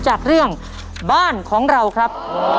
จากเรื่องบ้านของเราครับ